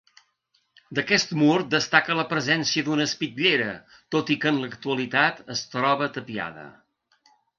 D'aquest mur destaca la presència d'una espitllera, tot i que en l'actualitat es troba tapiada.